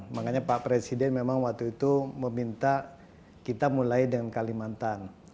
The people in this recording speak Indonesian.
makanya pak presiden memang waktu itu meminta kita mulai dengan kalimantan